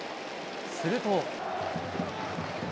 すると。